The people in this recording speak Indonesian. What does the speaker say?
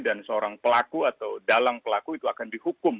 dan seorang pelaku atau dalang pelaku itu akan dihukum